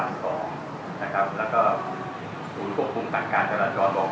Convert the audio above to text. ยกของทักพัสสอนขออการเท้าป่านวันของ